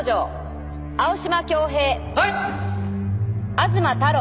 東太郎。